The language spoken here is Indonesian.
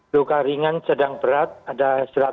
luka ringan sedang berat ada satu ratus sembilan puluh satu